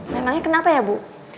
memangnya kenapa ya bu